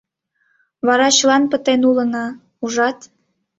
«Вара чылан пытен улына, ужат.